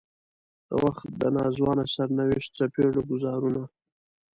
د وخت د ناځوانه سرنوشت څپېړو ګوزارونه.